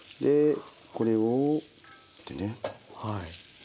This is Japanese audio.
これをってね。